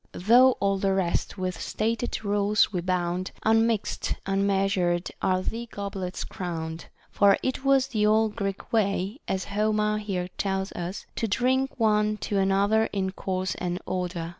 25 Though all the rest with stated rules we bound, Unmix'd, unmeasured, are thy goblets crown'd :* for it was the old Greek way, as Homer here tells us, to drink one to another in course and order.